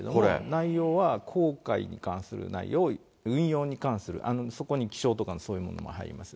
内容は航海に関する内容を、運用に関するそこに気象とか、そういうものが入ります。